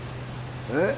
えっ？